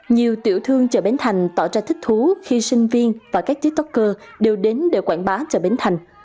nhiều tiểu thương chợ bến thành tỏ ra thích thú khi sinh viên và các tiktoker đều đến để quảng bá chợ bến thành